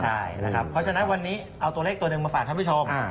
ใช่นะครับเพราะฉะนั้นวันนี้เอาตัวเลขตัวหนึ่งมาฝากท่านผู้ชม